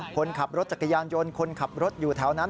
คนขับรถจักรยานยนต์คนขับรถอยู่แถวนั้น